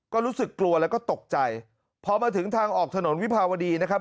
ก็รู้สึกกลัวแล้วก็ตกใจพอมาถึงทางออกถนนวิภาวดีนะครับ